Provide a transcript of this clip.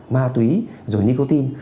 ma túy rồi nicotine